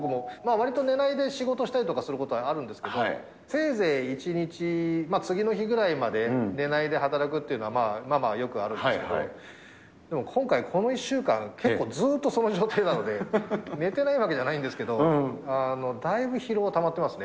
わりと寝ないで仕事したりとかあるんですけど、せいぜい１日、次の日ぐらいまで寝ないで働くっていうのは、まあまあよくあるんですけど、でも今回、この１週間、結構ずっと、その状態なので、寝てないわけじゃないんですけど、だいぶ疲労はたまってますね。